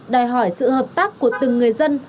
đòi hỏi sự hợp tác của từng người dân